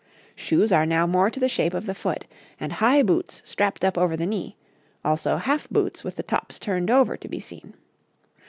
Shoes are now more to the shape of the foot, and high boots strapped up over the knee, also half boots with the tops turned over to be seen.